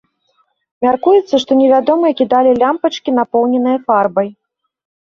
Мяркуецца, што невядомыя кідалі лямпачкі, напоўненыя фарбай.